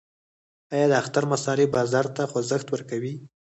آیا د اختر مصارف بازار ته خوځښت ورکوي؟